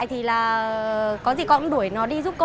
thực ra con không có